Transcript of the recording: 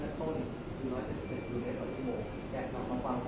ถามรถเดียวก็อยู่ที่สิทธิ์อาจารย์